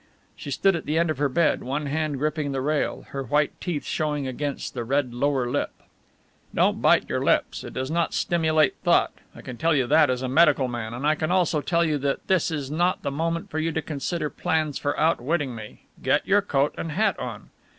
She stood at the end of her bed, one hand gripping the rail, her white teeth showing against the red lower lip. "Don't bite your lips, it does not stimulate thought, I can tell you that as a medical man, and I can also tell you that this is not the moment for you to consider plans for outwitting me. Get your coat and hat on."